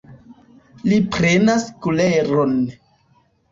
Li prenas kuleron.